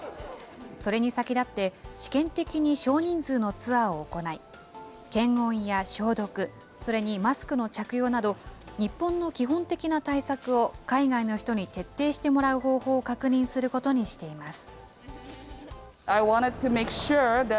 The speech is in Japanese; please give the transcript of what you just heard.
それに先立って、試験的に少人数のツアーを行い、検温や消毒、それにマスクの着用など、日本の基本的な対策を海外の人に徹底してもらう方法を確認することにしています。